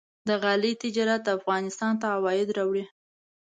د غالۍ تجارت افغانستان ته عواید راوړي.